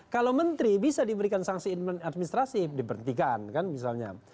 kalau menteri bisa diberikan sanksi administrasi diberhentikan kan misalnya